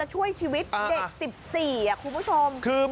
สวัสดีครับ